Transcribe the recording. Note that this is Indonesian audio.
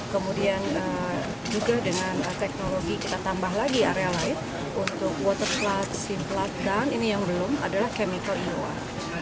kemudian juga dengan teknologi kita tambah lagi area lain untuk water flood sea flood dan ini yang belum adalah chemical in the water